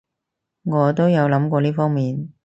我都有諗過呢方面